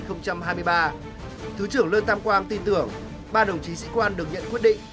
thứ trưởng lương tam quang tin tưởng ba đồng chí sĩ quan được nhận quyết định